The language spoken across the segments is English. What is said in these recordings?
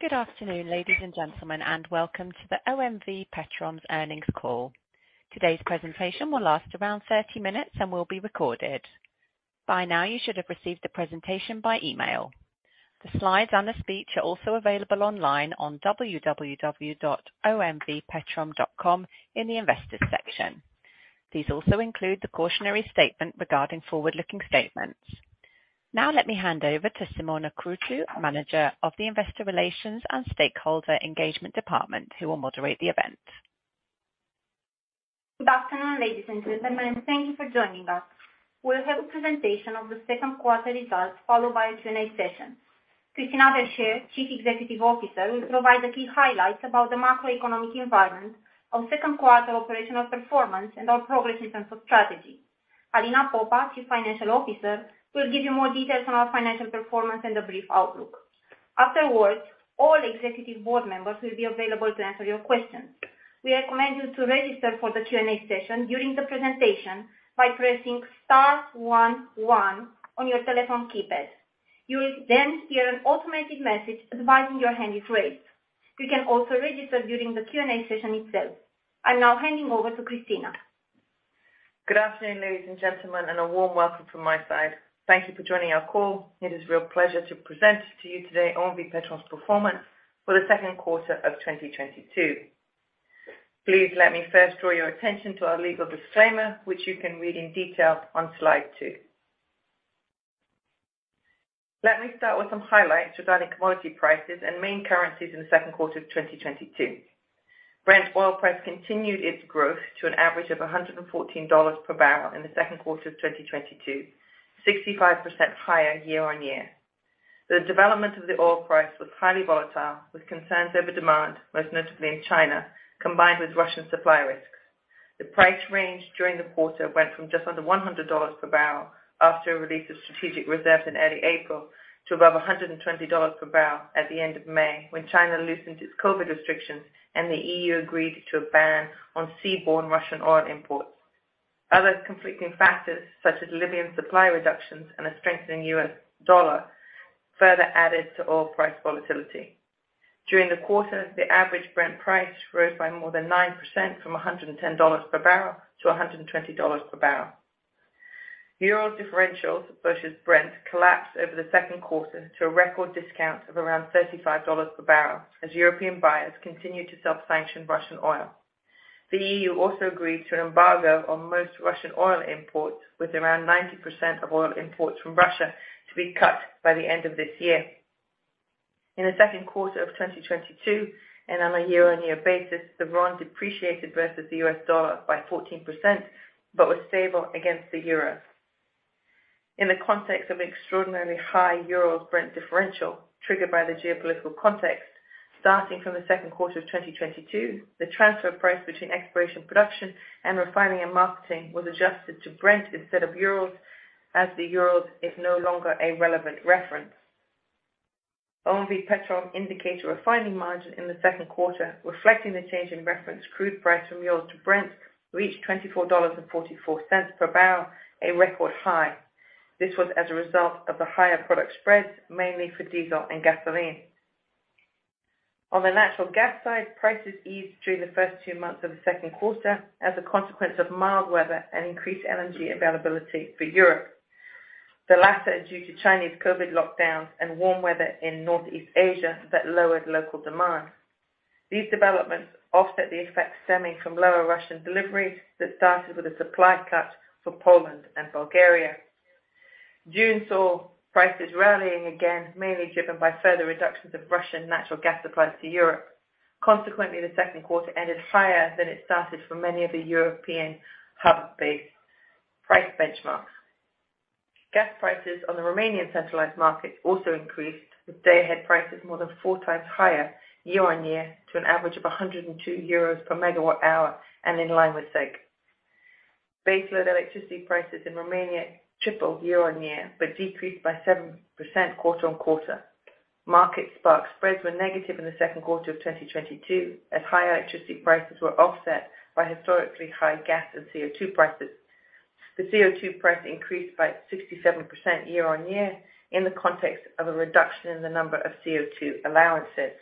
Good afternoon, ladies and gentlemen, and welcome to the OMV Petrom's earnings call. Today's presentation will last around 30 minutes and will be recorded. By now, you should have received the presentation by email. The slides and the speech are also available online on www.omvpetrom.com in the Investors section. These also include the cautionary statement regarding forward-looking statements. Now let me hand over to Simona Cruțu, Manager of the Investor Relations and Stakeholder Engagement Department, who will moderate the event. Good afternoon, ladies and gentlemen, and thank you for joining us. We'll have a presentation of the second quarter results, followed by a Q&A session. Christina Verchere, Chief Executive Officer, will provide the key highlights about the macroeconomic environment, our second quarter operational performance, and our progress in terms of strategy. Alina Popa, Chief Financial Officer, will give you more details on our financial performance and a brief outlook. Afterwards, all executive board members will be available to answer your questions. We recommend you to register for the Q&A session during the presentation by pressing star one one on your telephone keypad. You will then hear an automated message advising your hand is raised. You can also register during the Q&A session itself. I'm now handing over toChristina. Good afternoon, ladies and gentlemen, and a warm welcome from my side. Thank you for joining our call. It is a real pleasure to present to you today OMV Petrom's performance for the second quarter of 2022. Please let me first draw your attention to our legal disclaimer, which you can read in detail on slide two. Let me start with some highlights regarding commodity prices and main currencies in the second quarter of 2022. Brent oil price continued its growth to an average of $114 per barrel in the second quarter of 2022, 65% higher year-on-year. The development of the oil price was highly volatile, with concerns over demand, most notably in China, combined with Russian supply risks. The price range during the quarter went from just under $100 per barrel after a release of strategic reserve in early April to above $120 per barrel at the end of May, when China loosened its COVID restrictions and the EU agreed to a ban on seaborne Russian oil imports. Other conflicting factors such as Libyan supply reductions and a strengthening U.S. dollar further added to oil price volatility. During the quarter, the average Brent price rose by more than 9% from $110 per barrel to $120 per barrel. Urals differentials versus Brent collapsed over the second quarter to a record discount of around $35 per barrel as European buyers continued to self-sanction Russian oil. The EU also agreed to an embargo on most Russian oil imports, with around 90% of oil imports from Russia to be cut by the end of this year. In the second quarter of 2022, and on a year-on-year basis, the rand depreciated versus the U.S. dollar by 14%, but was stable against the euro. In the context of extraordinarily high Urals-Brent differential triggered by the geopolitical context, starting from the second quarter of 2022, the transfer price between Exploration & Production and Refining & Marketing was adjusted to Brent instead of Urals as the Urals is no longer a relevant reference. OMV Petrom indicator refining margin in the second quarter, reflecting the change in reference crude price from Urals to Brent, reached $24.44 per barrel, a record high. This was as a result of the higher product spreads, mainly for diesel and gasoline. On the natural gas side, prices eased during the first two months of the second quarter as a consequence of mild weather and increased energy availability for Europe, the latter due to Chinese COVID lockdowns and warm weather in Northeast Asia that lowered local demand. These developments offset the effects stemming from lower Russian deliveries that started with a supply cut for Poland and Bulgaria. June saw prices rallying again, mainly driven by further reductions of Russian natural gas supplies to Europe. Consequently, the second quarter ended higher than it started for many of the European hub-based price benchmarks. Gas prices on the Romanian centralized market also increased, with day-ahead prices more than four times higher year-on-year to an average of 102 EUR/MWh and in line with CEGH. Baseload electricity prices in Romania tripled year-on-year, but decreased by 7% quarter-on-quarter. Market spark spreads were negative in the second quarter of 2022 as higher electricity prices were offset by historically high gas and CO2 prices. The CO2 price increased by 67% year-on-year in the context of a reduction in the number of CO2 allowances.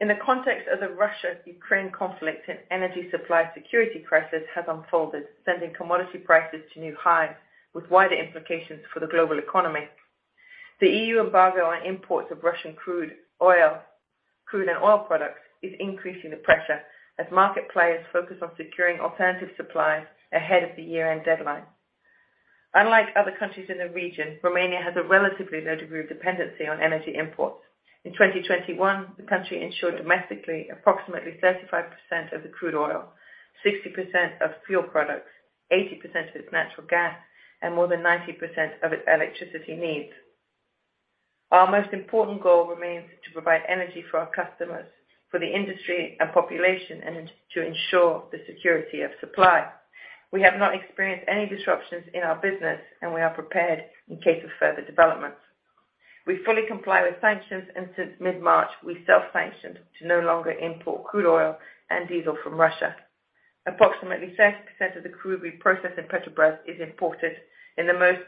In the context of the Russia-Ukraine conflict, an energy supply security crisis has unfolded, sending commodity prices to new highs with wider implications for the global economy. The EU embargo on imports of Russian crude oil, crude and oil products is increasing the pressure as market players focus on securing alternative supplies ahead of the year-end deadline. Unlike other countries in the region, Romania has a relatively low degree of dependency on energy imports. In 2021, the country ensured domestically approximately 35% of the crude oil, 60% of fuel products, 80% of its natural gas, and more than 90% of its electricity needs. Our most important goal remains to provide energy for our customers, for the industry and population, and to ensure the security of supply. We have not experienced any disruptions in our business, and we are prepared in case of further developments. We fully comply with sanctions. Since mid-March, we self-sanctioned to no longer import crude oil and diesel from Russia. Approximately 30% of the crude we process in Petrobrazi is imported, most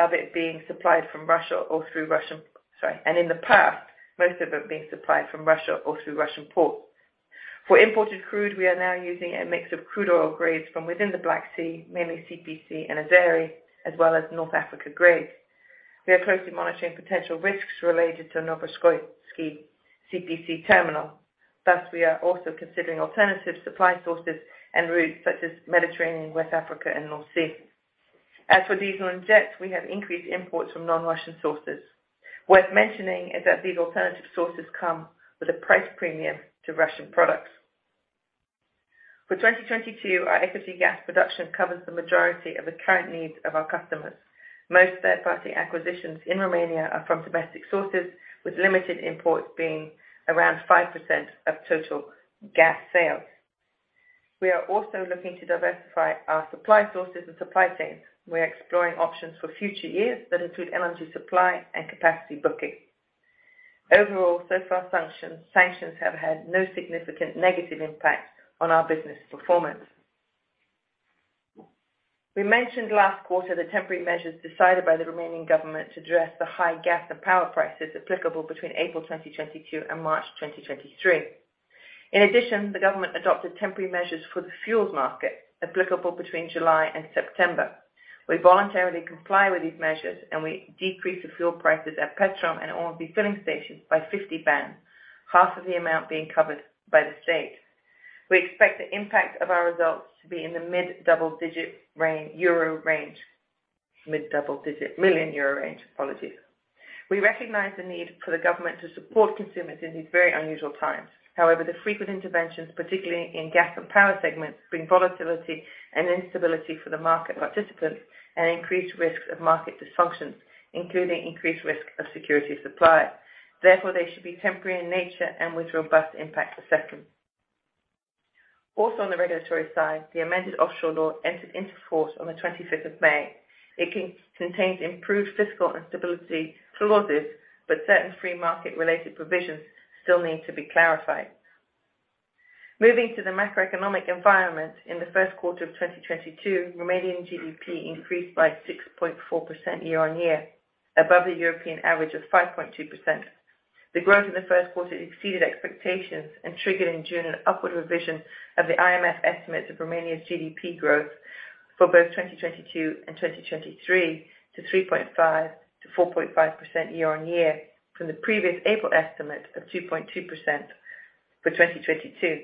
of it being supplied from Russia or through Russian ports in the past. For imported crude, we are now using a mix of crude oil grades from within the Black Sea, mainly CPC and Azeri, as well as North Africa grades. We are closely monitoring potential risks related to Novorossiysk CPC terminal. Thus, we are also considering alternative supply sources and routes such as Mediterranean, West Africa, and North Sea. As for diesel and jet, we have increased imports from non-Russian sources. Worth mentioning is that these alternative sources come with a price premium to Russian products. For 2022, our LPG gas production covers the majority of the current needs of our customers. Most third-party acquisitions in Romania are from domestic sources, with limited imports being around 5% of total gas sales. We are also looking to diversify our supply sources and supply chains. We are exploring options for future years that include LNG supply and capacity booking. Overall, so far functioning sanctions have had no significant negative impact on our business performance. We mentioned last quarter the temporary measures decided by the Romanian government to address the high gas and power prices applicable between April 2022 and March 2023. In addition, the government adopted temporary measures for the fuels market applicable between July and September. We voluntarily comply with these measures, and we decrease the fuel prices at Petrom and OMV filling stations by 50 bani, half of the amount being covered by the state. We expect the impact of our results to be in the mid-double-digit EUR range. Mid-double-digit million EUR range. Apologies. We recognize the need for the government to support consumers in these very unusual times. However, the frequent interventions, particularly in gas and power segments, bring volatility and instability for the market participants and increased risks of market dysfunctions, including increased risk of security of supply. Therefore, they should be temporary in nature and with robust impact assessment. Also, on the regulatory side, the amended Offshore Law entered into force on the 25th of May. It contains improved fiscal and stability clauses, but certain free market related provisions still need to be clarified. Moving to the macroeconomic environment, in the first quarter of 2022, Romanian GDP increased by 6.4% year-on-year, above the European average of 5.2%. The growth in the first quarter exceeded expectations and triggered in June an upward revision of the IMF estimate of Romania's GDP growth for both 2022 and 2023 to 3.5%-4.5% year-on-year from the previous April estimate of 2.2% for 2022.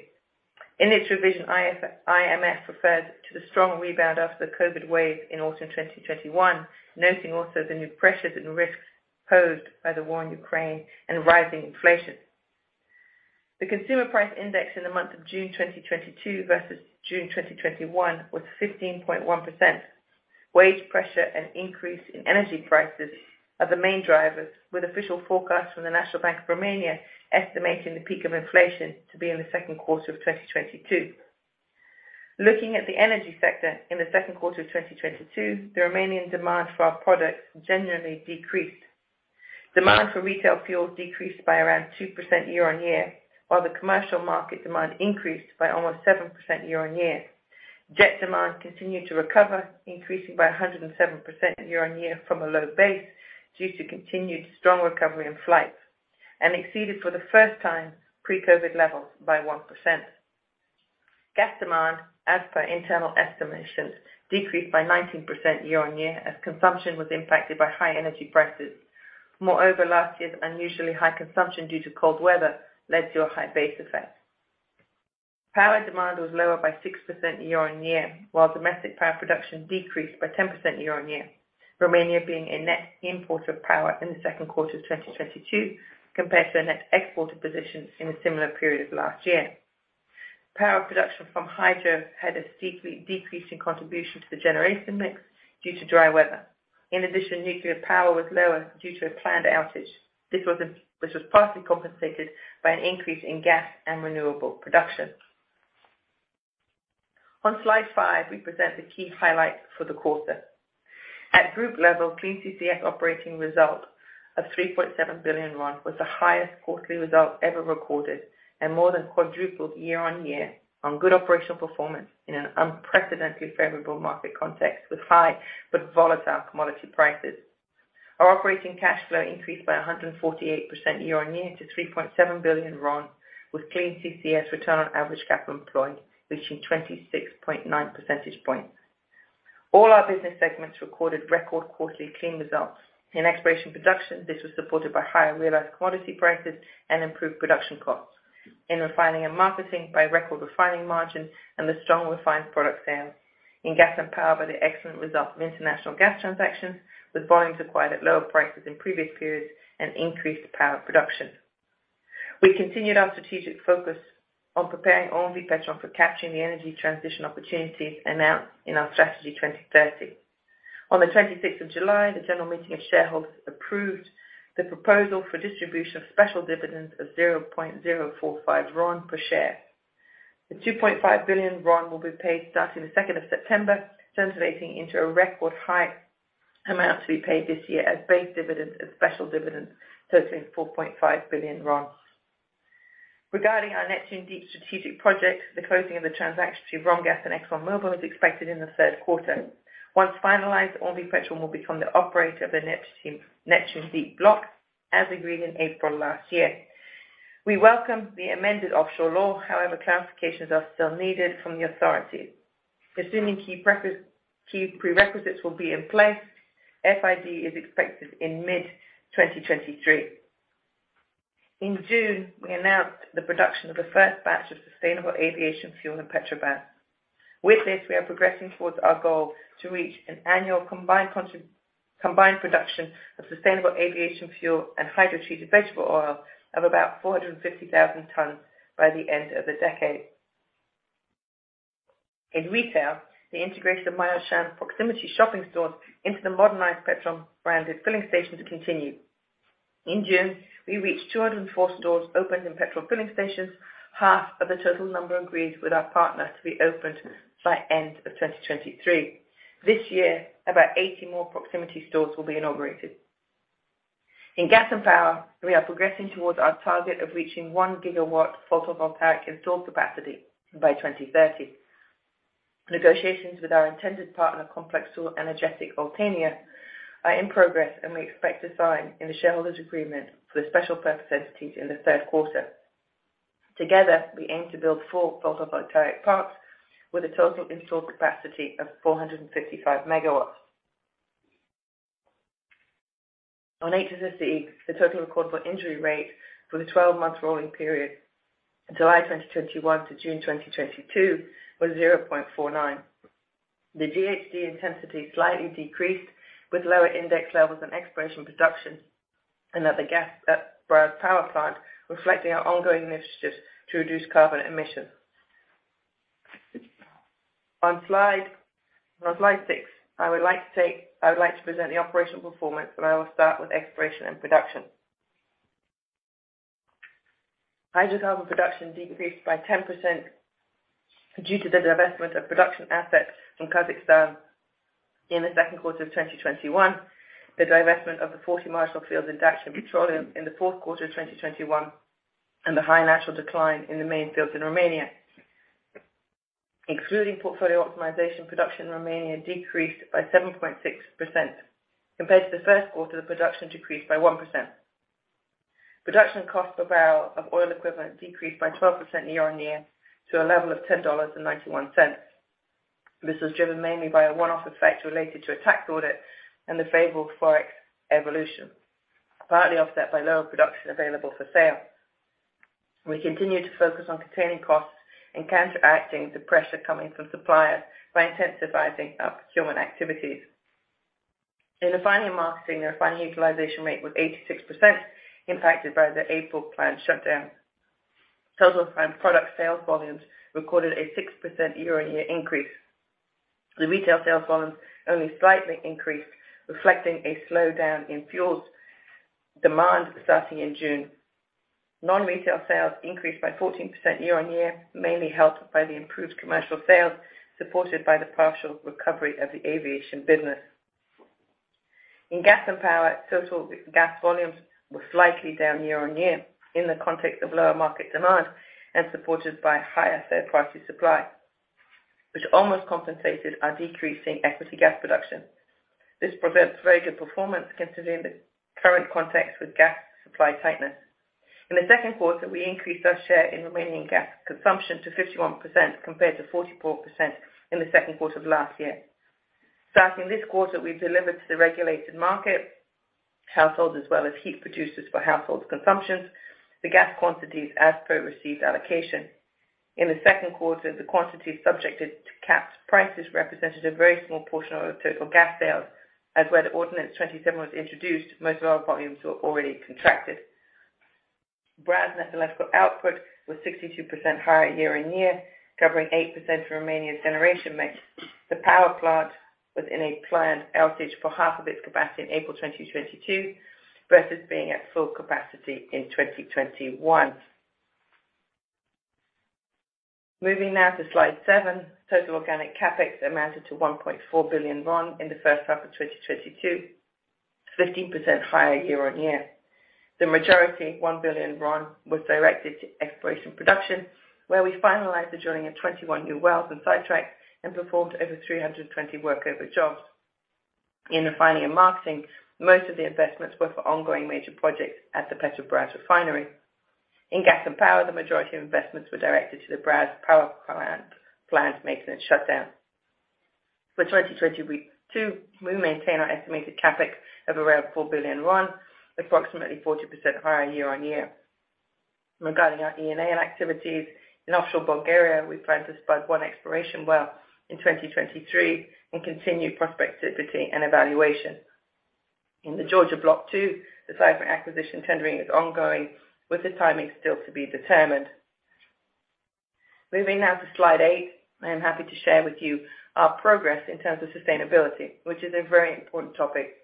In its revision, IMF referred to the strong rebound after the COVID wave in autumn 2021, noting also the new pressures and risks posed by the war in Ukraine and rising inflation. The consumer price index in the month of June 2022 versus June 2021 was 15.1%. Wage pressure and increase in energy prices are the main drivers, with official forecasts from the National Bank of Romania estimating the peak of inflation to be in the second quarter of 2022. Looking at the energy sector in the second quarter of 2022, the Romanian demand for our products generally decreased. Demand for retail fuel decreased by around 2% year-on-year, while the commercial market demand increased by almost 7% year-on-year. Jet demand continued to recover, increasing by 107% year-on-year from a low base due to continued strong recovery in flights, and exceeded for the first time pre-COVID levels by 1%. Gas demand, as per internal estimations, decreased by 19% year-on-year as consumption was impacted by high energy prices. Moreover, last year's unusually high consumption due to cold weather led to a high base effect. Power demand was lower by 6% year-on-year, while domestic power production decreased by 10% year-on-year. Romania being a net importer of power in the second quarter of 2022 compared to a net exporter position in a similar period last year. Power production from hydro had a decrease in contribution to the generation mix due to dry weather. In addition, nuclear power was lower due to a planned outage. This was partly compensated by an increase in gas and renewable production. On slide five, we present the key highlights for the quarter. At group level, Clean CCS operating result of RON 3.7 billion was the highest quarterly result ever recorded and more than quadrupled year-on-year on good operational performance in an unprecedentedly favorable market context with high but volatile commodity prices. Our operating cash flow increased by 148% year-on-year to RON 3.7 billion, with Clean CCS return on average capital employed reaching 26.9 percentage points. All our business segments recorded record quarterly clean results. In exploration and production, this was supported by higher realized commodity prices and improved production costs. In refining and marketing, by record refining margins and the strong refined product sales. In gas and power, by the excellent result of international gas transactions, with volumes acquired at lower prices in previous periods and increased power production. We continued our strategic focus on preparing OMV Petrom for capturing the energy transition opportunities announced in our Strategy 2030. On the twenty-sixth of July, the general meeting of shareholders approved the proposal for distribution of special dividends of 0.045 RON per share. The RON 2.5 billion will be paid starting the second of September, translating into a record high amount to be paid this year as base dividends and special dividends totaling RON 4.5 billion. Regarding our Neptune Deep strategic project, the closing of the transaction to Romgaz and ExxonMobil is expected in the third quarter. Once finalized, OMV Petrom will become the operator of the Neptune Deep Block, as agreed in April last year. We welcome the amended Offshore Law. However, clarifications are still needed from the authorities. Assuming key prerequisites will be in place, FID is expected in mid-2023. In June, we announced the production of the first batch of sustainable aviation fuel in Petrobrazi. With this, we are progressing towards our goal to reach an annual combined production of sustainable aviation fuel and hydrotreated vegetable oil of about 450,000 tons by the end of the decade. In retail, the integration of MyAuchan proximity shopping stores into the modernized Petrom-branded filling stations continue. In June, we reached 204 stores opened in petrol filling stations, half of the total number agreed with our partner to be opened by end of 2023. This year, about 80 more proximity stores will be inaugurated. In gas and power, we are progressing towards our target of reaching 1 gigawatt photovoltaic installed capacity by 2030. Negotiations with our intended partner, Complexul Energetic Oltenia, are in progress, and we expect to sign a shareholders agreement for the special purpose entities in the third quarter. Together, we aim to build four photovoltaic parks with a total installed capacity of 455 MW. On HSSEC, the Total Recordable Injury Rate for the 12-month rolling period, July 2021 to June 2022, was 0.49. The GHG intensity slightly decreased with lower index levels in exploration and production, and at the Brazi Power Plant, reflecting our ongoing initiatives to reduce carbon emissions. On Slide 6, I would like to present the operational performance, but I will start with exploration and production. Hydrocarbon production decreased by 10% due to the divestment of production assets in Kazakhstan in the second quarter of 2021, the divestment of the 40 marginal fields and Dacian Petroleum in the fourth quarter of 2021, and the high natural decline in the main fields in Romania. Excluding portfolio optimization, production in Romania decreased by 7.6%. Compared to the first quarter, the production decreased by 1%. Production cost per barrel of oil equivalent decreased by 12% year-on-year to a level of $10.91. This was driven mainly by a one-off effect related to a tax audit and the favorable Forex evolution, partly offset by lower production available for sale. We continue to focus on containing costs and counteracting the pressure coming from suppliers by intensifying our procurement activities. In the refining and marketing, our refining utilization rate was 86% impacted by the April plant shutdown. Total plant product sales volumes recorded a 6% year-on-year increase. The retail sales volumes only slightly increased, reflecting a slowdown in fuels demand starting in June. Non-retail sales increased by 14% year-on-year, mainly helped by the improved commercial sales, supported by the partial recovery of the aviation business. In gas and power, total g-gas volumes were slightly down year-on-year in the context of lower market demand and supported by higher fair price of supply, which almost compensated our decreasing equity gas production. This presents very good performance considering the current context with gas supply tightness. In the second quarter, we increased our share in Romanian gas consumption to 51% compared to 44% in the second quarter of last year. Starting this quarter, we've delivered to the regulated market households as well as heat producers for household consumptions the gas quantities as per received allocation. In the second quarter, the quantity subjected to capped prices represented a very small portion of the total gas sales, as where the ordinance 27 was introduced, most of our volumes were already contracted. Brazi net electrical output was 62% higher year-on-year, covering 8% of Romanian generation mix. The power plant was in a planned outage for half of its capacity in April 2022 versus being at full capacity in 2021. Moving now to slide seven. Total organic CapEx amounted to RON 1.4 billion in the first half of 2022, 15% higher year-on-year. The majority, RON 1 billion, was directed to exploration production, where we finalized the drilling of 21 new wells and sidetracks and performed over 320 workover jobs. In refining and marketing, most of the investments were for ongoing major projects at the Petrobrazi Refinery. In gas and power, the majority of investments were directed to the Brazi Power Plant maintenance shutdown. For 2022, we maintain our estimated CapEx of around RON 4 billion, approximately 40% higher year-on-year. Regarding our E&A activities, in offshore Bulgaria, we plan to spud 1 exploration well in 2023 and continue prospectivity and evaluation. In the Georgia Block II, the seismic acquisition tendering is ongoing, with the timing still to be determined. Moving now to slide 8. I am happy to share with you our progress in terms of sustainability, which is a very important topic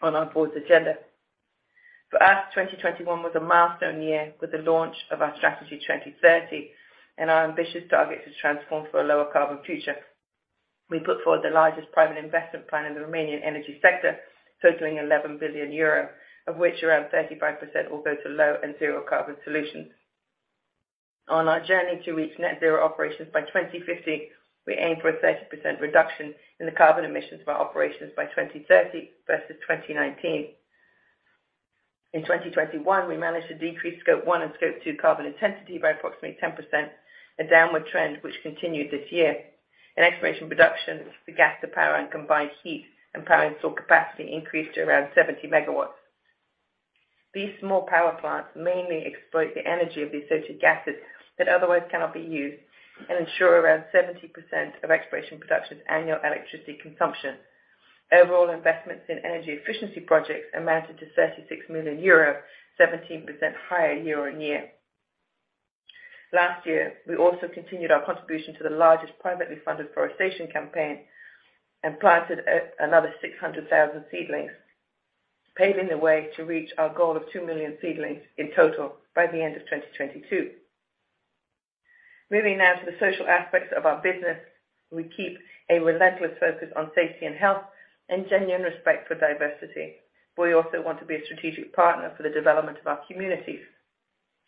on our board's agenda. For us, 2021 was a milestone year with the launch of our Strategy 2030 and our ambitious target to transform for a lower carbon future. We put forward the largest private investment plan in the Romanian energy sector, totaling 11 billion euro, of which around 35% will go to low and zero carbon solutions. On our journey to reach net zero operations by 2050, we aim for a 30% reduction in the carbon emissions of our operations by 2030 versus 2019. In 2021, we managed to decrease scope one and scope two carbon intensity by approximately 10%, a downward trend which continued this year. In exploration and production, the gas to power and combined heat and power installed capacity increased to around 70 MW. These small power plants mainly exploit the energy of the associated gases that otherwise cannot be used and ensure around 70% of exploration and production annual electricity consumption. Overall investments in energy efficiency projects amounted to 36 million euros, 17% higher year-on-year. Last year, we also continued our contribution to the largest privately funded forestation campaign and planted another 600,000 seedlings, paving the way to reach our goal of 2 million seedlings in total by the end of 2022. Moving now to the social aspects of our business, we keep a relentless focus on safety and health and genuine respect for diversity. We also want to be a strategic partner for the development of our communities.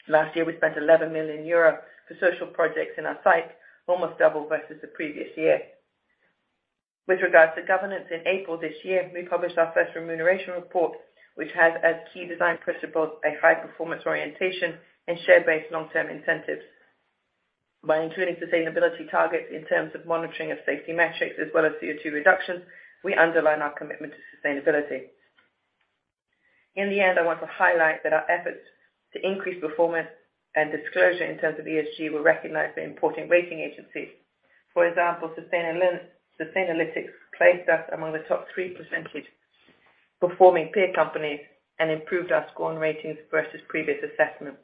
Last year, we spent 11 million euro for social projects in our sites, almost double versus the previous year. With regards to governance, in April this year, we published our first remuneration report, which has as key design principles a high-performance orientation and share-based long-term incentives. By including sustainability targets in terms of monitoring of safety metrics as well as CO2 reductions, we underline our commitment to sustainability. In the end, I want to highlight that our efforts to increase performance and disclosure in terms of ESG will recognize the important rating agencies. For example, Sustainalytics placed us among the top 3% performing peer companies and improved our score and ratings versus previous assessment.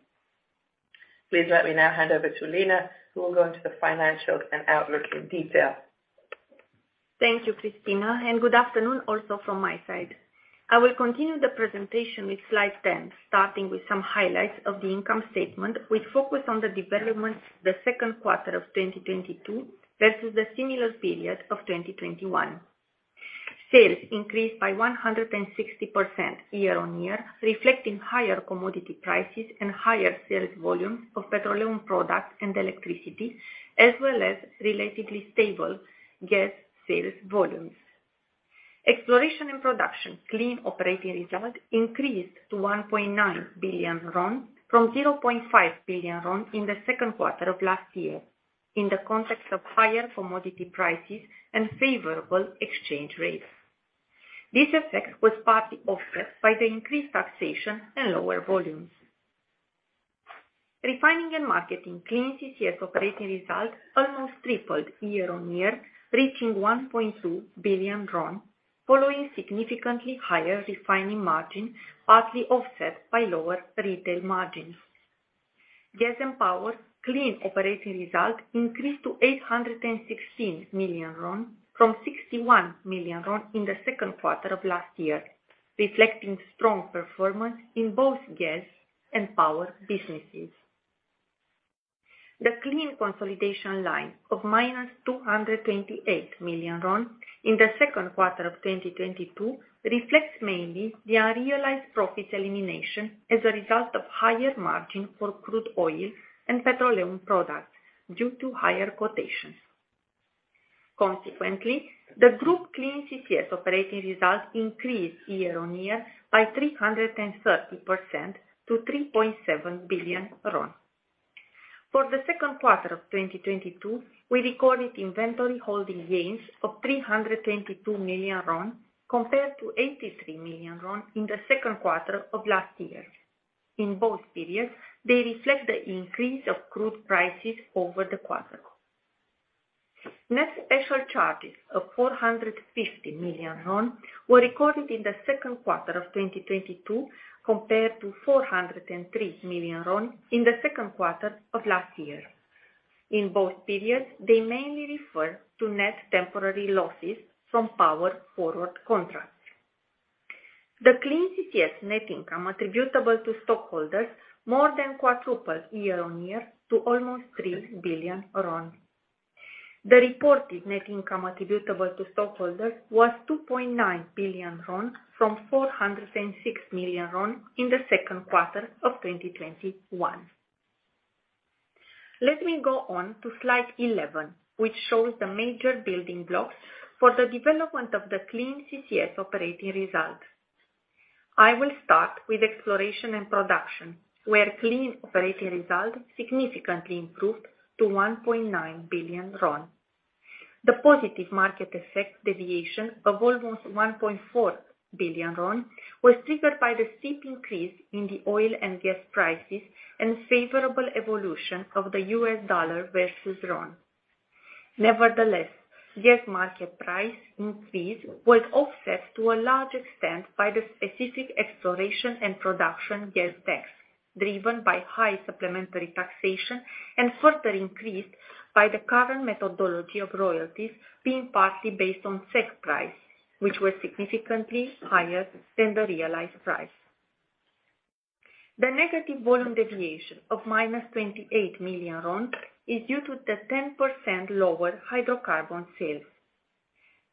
Please let me now hand over to Lena, who will go into the financials and outlook in detail. Thank you, Christina, and good afternoon also from my side. I will continue the presentation with slide 10, starting with some highlights of the income statement, which focus on the development of the second quarter of 2022 versus the similar period of 2021. Sales increased by 160% year-on-year, reflecting higher commodity prices and higher sales volume for petroleum products and electricity, as well as relatively stable gas sales volumes. Exploration and production clean operating result increased to RON 1.9 billion from RON 0.5 billion in the second quarter of last year in the context of higher commodity prices and favorable exchange rates. This effect was partly offset by the increased taxation and lower volumes. Refining and marketing clean CCS operating results almost tripled year-on-year, reaching RON 1.2 billion, following significantly higher refining margin, partly offset by lower retail margins. Gas and power clean operating result increased to RON 816 million from RON 61 million in the second quarter of last year, reflecting strong performance in both gas and power businesses. The clean consolidation line of -RON 228 million in the second quarter of 2022 reflects mainly the unrealized profits elimination as a result of higher margin for crude oil and petroleum products due to higher quotations. Consequently, the group clean CCS operating results increased year-on-year by 330% to RON 3.7 billion. For the second quarter of 2022, we recorded inventory holding gains of RON 322 million compared to RON 83 million in the second quarter of last year. In both periods, they reflect the increase of crude prices over the quarter. Net special charges of RON 450 million were recorded in the second quarter of 2022 compared to RON 403 million in the second quarter of last year. In both periods, they mainly refer to net temporary losses from power forward contracts. The Clean CCS net income attributable to stockholders more than quadrupled year-on-year to almost RON 3 billion. The reported net income attributable to stockholders was RON 2.9 billion from RON 406 million in the second quarter of 2021. Let me go on to slide 11, which shows the major building blocks for the development of the Clean CCS operating results. I will start with exploration and production, where clean operating results significantly improved to RON 1.9 billion. The positive market effect deviation of almost RON 1.4 billion was triggered by the steep increase in the oil and gas prices and favorable evolution of the U.S. dollar versus RON. Nevertheless, gas market price increase was offset to a large extent by the specific exploration and production gas tax. Driven by high supplementary taxation and further increased by the current methodology of royalties being partly based on set price, which was significantly higher than the realized price. The negative volume deviation of minus RON 28 million is due to the 10% lower hydrocarbon sales.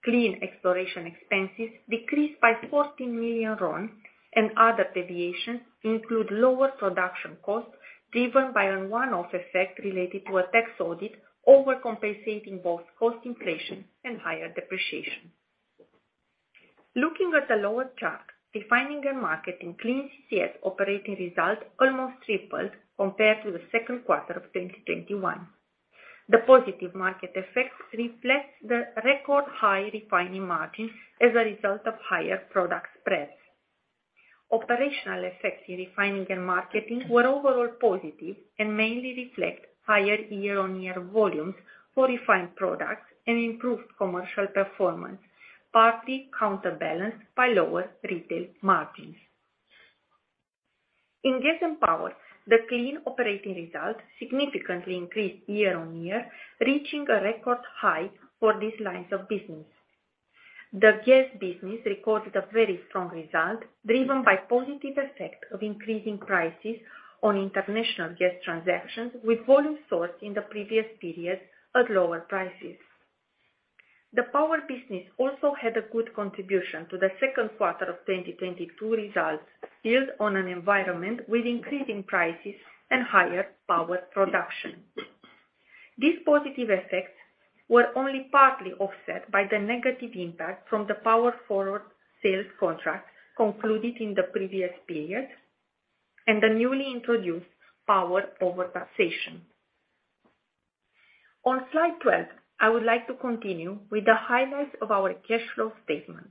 Clean exploration expenses decreased by RON 14 million and other deviations include lower production costs, driven by a one-off effect related to a tax audit, overcompensating both cost inflation and higher depreciation. Looking at the lower chart, refining and marketing's Clean CCS operating result almost tripled compared to the second quarter of 2021. The positive market effects reflects the record high refining margin as a result of higher product spreads. Operational effects in refining and marketing were overall positive and mainly reflect higher year-on-year volumes for refined products and improved commercial performance, partly counterbalanced by lower retail margins. In gas and power, the Clean CCS operating results significantly increased year-on-year, reaching a record high for these lines of business. The gas business recorded a very strong result, driven by positive effect of increasing prices on international gas transactions with volume sourced in the previous period at lower prices. The power business also had a good contribution to the second quarter of 2022 results, built on an environment with increasing prices and higher power production. These positive effects were only partly offset by the negative impact from the power forward sales contract concluded in the previous period and the newly introduced power over taxation. On slide 12, I would like to continue with the highlights of our cash flow statement.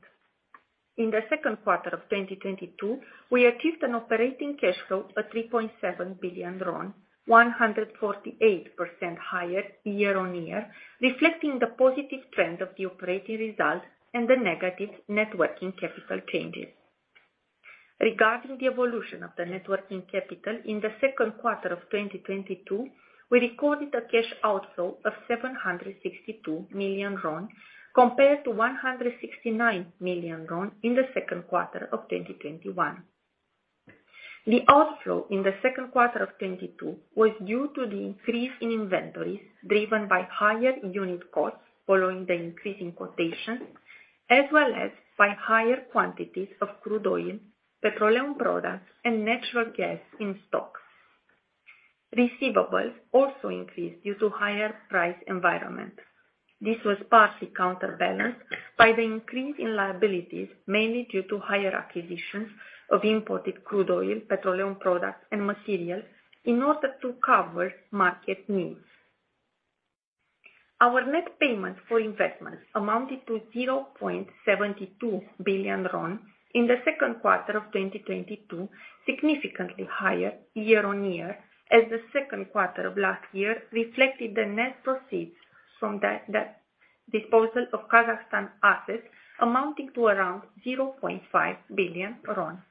In the second quarter of 2022, we achieved an operating cash flow of RON 3.7 billion, 148% higher year-on-year, reflecting the positive trend of the operating results and the negative net working capital changes. Regarding the evolution of the net working capital in the second quarter of 2022, we recorded a cash outflow of RON 762 million compared to RON 169 million in the second quarter of 2021. The outflow in the second quarter of 2022 was due to the increase in inventories driven by higher unit costs following the increase in quotation, as well as by higher quantities of crude oil, petroleum products, and natural gas in stock. Receivables also increased due to higher price environment. This was partly counterbalanced by the increase in liabilities, mainly due to higher acquisitions of imported crude oil, petroleum products, and materials in order to cover market needs. Our net payment for investments amounted to RON 0.72 billion in the second quarter of 2022, significantly higher year-on-year as the second quarter of last year reflected the net proceeds from the disposal of Kazakhstan assets amounting to around RON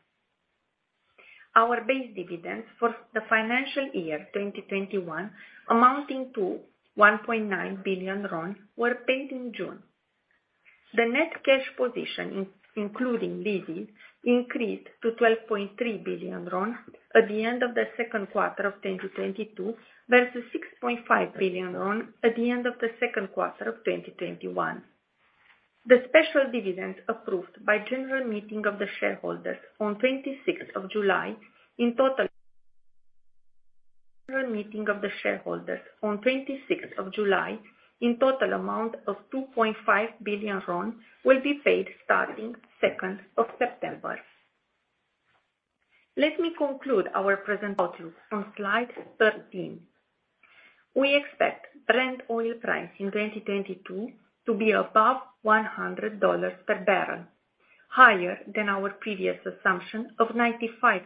0.5 billion. Our base dividends for the financial year 2021 amounting to RON 1.9 billion were paid in June. The net cash position including leases increased to RON 12.3 billion at the end of the second quarter of 2022, versus RON 6.5 billion at the end of the second quarter of 2021. The special dividend approved by the General Meeting of the Shareholders on 26th of July in total amount of RON 2.5 billion will be paid starting 2nd of September. Let me conclude our presentation on slide 13. We expect Brent oil price in 2022 to be above $100 per barrel, higher than our previous assumption of $95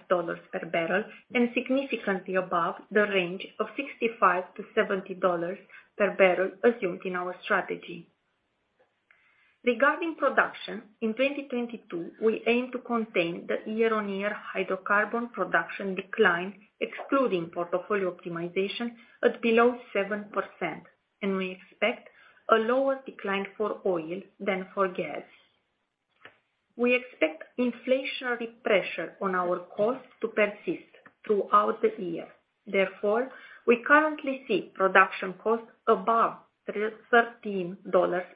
per barrel and significantly above the range of $65-$70 per barrel assumed in our strategy. Regarding production, in 2022, we aim to contain the year-on-year hydrocarbon production decline, excluding portfolio optimization, at below 7%, and we expect a lower decline for oil than for gas. We expect inflationary pressure on our costs to persist throughout the year. Therefore, we currently see production costs above $13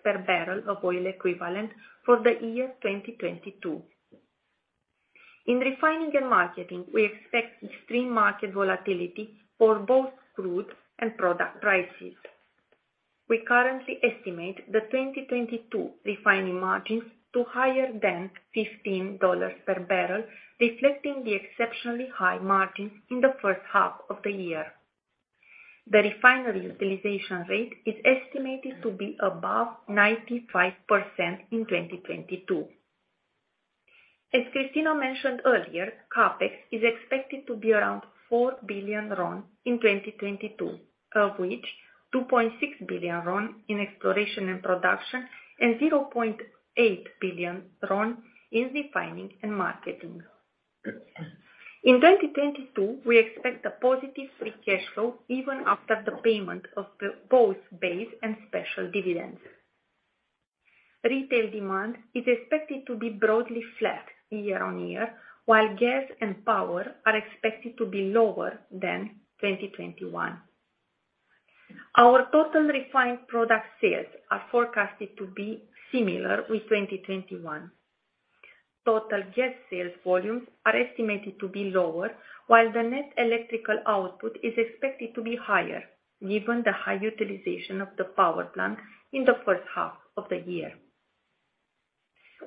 per barrel of oil equivalent for the year 2022. In refining and marketing, we expect extreme market volatility for both crude and product prices. We currently estimate the 2022 refining margins to higher than $15 per barrel, reflecting the exceptionally high margins in the first half of the year. The refinery utilization rate is estimated to be above 95% in 2022. AsChristina mentioned earlier, CapEx is expected to be around RON 4 billion in 2022, of which RON 2.6 billion in exploration and production and RON 0.8 billion in refining and marketing. In 2022, we expect a positive free cash flow even after the payment of both base and special dividends. Retail demand is expected to be broadly flat year-on-year, while gas and power are expected to be lower than 2021. Our total refined product sales are forecasted to be similar with 2021. Total gas sales volumes are estimated to be lower, while the net electrical output is expected to be higher given the high utilization of the power plant in the first half of the year.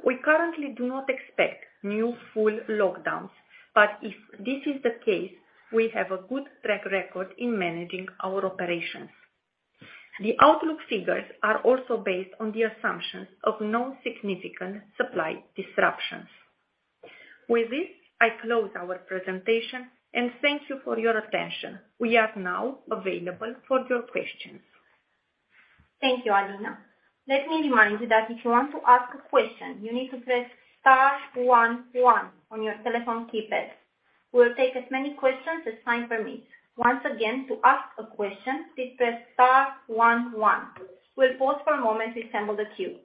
We currently do not expect new full lockdowns, but if this is the case, we have a good track record in managing our operations. The outlook figures are also based on the assumptions of no significant supply disruptions. With this, I close our presentation and thank you for your attention. We are now available for your questions. Thank you, Alina. Let me remind you that if you want to ask a question, you need to press star one one on your telephone keypad. We'll take as many questions as time permits. Once again, to ask a question, please press star one one. We'll pause for a moment to assemble the queue.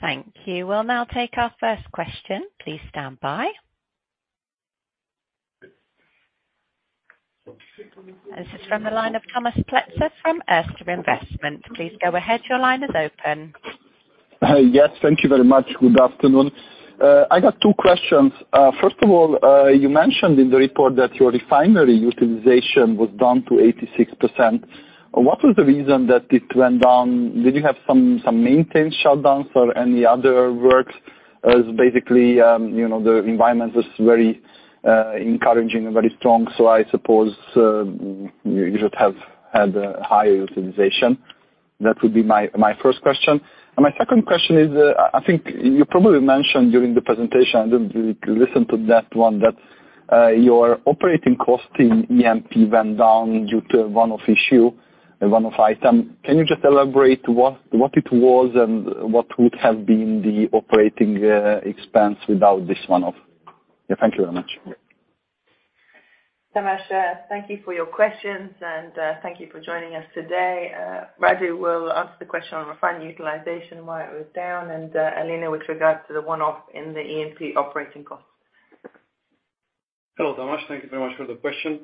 Thank you. We'll now take our first question. Please stand by. This is from the line of Tamas Pletser from Erste Group. Please go ahead. Your line is open. Yes. Thank you very much. Good afternoon. I got two questions. First of all, you mentioned in the report that your refinery utilization was down to 86%. What was the reason that it went down? Did you have some maintenance shutdowns or any other works as basically, you know, the environment is very encouraging and very strong, so I suppose you should have had a higher utilization. That would be my first question. My second question is, I think you probably mentioned during the presentation, I didn't really listen to that one, that your operating cost in E&P went down due to a one-off issue, a one-off item. Can you just elaborate what it was and what would have been the operating expense without this one-off? Yeah, thank you very much. Tamas, thank you for your questions and thank you for joining us today. Radu will answer the question on refinery utilization, why it was down, and Alina with regards to the one-off in the E&P operating costs. Hello, Tamas. Thank you very much for the question.